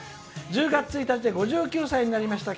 「１０月１日５９歳になりました。